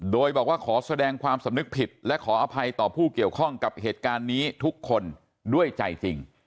โดยบอกว่าขอแสดงความสำนึกผิดและขออภัยต่อผู้เกี่ยวข้องกับเหตุการณ์นี้ทุกคนด้วยใจจริง